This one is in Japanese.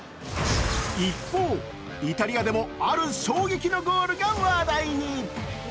一方、イタリアでもある衝撃のゴールが話題に。